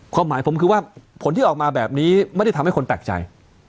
ความหมายผมคือว่าผลที่ออกมาแบบนี้ไม่ได้ทำให้คนแปลกใจ